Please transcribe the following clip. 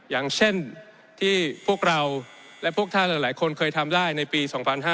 อย่างเช่นที่พวกเราและพวกท่านหลายคนเคยทำได้ในปี๒๕๕๙